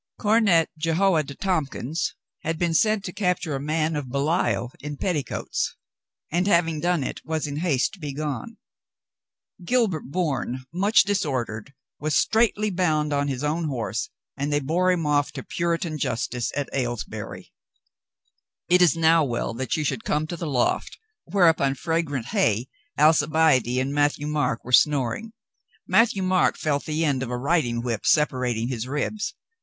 Cornet Jehoiada Tompkins had been sent to capture a man of Belial in petticoats, and, having done it, was in haste to be gone. Gilbert Bourne, much disordered, was straitly bound on his own horse, and they bore him off to Puritan justice at Aylesbury. It is now well that you should come to the loft where upon fragrant hay Alcibiade and Matthieu Marc were snoring. Matthieu Marc felt the end of a riding whip separating his ribs.